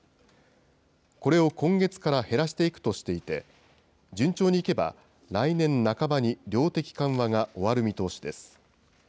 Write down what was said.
これを今月から減らしていくとしていて、順調にいけば、来年半ばに量的緩和が終わる見通しです。